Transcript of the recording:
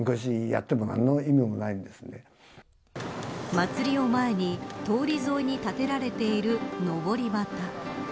まつりを前に通り沿いに建てられているのぼり旗。